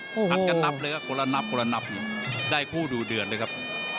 ทักจะนับเลยครับคนละนับได้คู่ดูเดือดเลยครับ